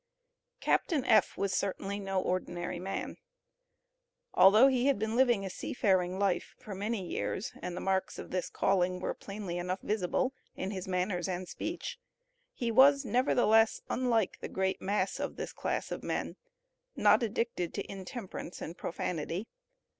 CAPTAIN F. was certainly no ordinary man. Although he had been living a sea faring life for many years, and the marks of this calling were plainly enough visible in his manners and speech, he was, nevertheless, unlike the great mass of this class of men, not addicted to intemperance and profanity.